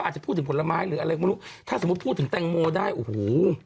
อาจจะพูดถึงผลไม้หรืออะไรก็ไม่รู้ถ้าสมมุติพูดถึงแตงโมได้โอ้โห